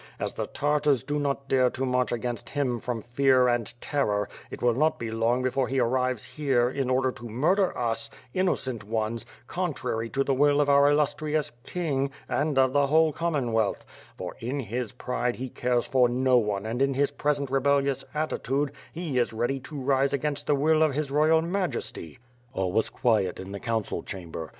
As the Tartars do not dare to march against him from fear and terror, it will not be long before he arrives here, in order to murder us, innocent ones, contrary to the will of our illustrious King, and of the whole Commonwealth; for, in his pride, he cares for no one and in his present re bellious attitude, he is ready to rise against the will of His Royal Majesty." AH was quiet in the council chamber.